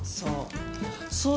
そう。